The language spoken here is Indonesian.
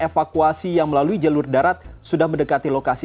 evakuasi yang melalui jalur darat sudah mendekati lokasi